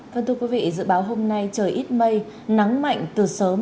vâng thưa quý vị dự báo hôm nay trời ít mây nắng mạnh từ sớm